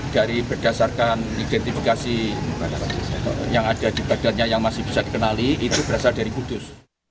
dari berdasarkan identifikasi yang ada di badannya yang masih bisa dikenali itu berasal dari kudus